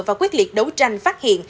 và quyết liệt đấu tranh phát hiện